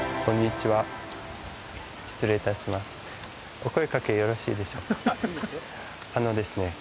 お声かけよろしいでしょうか。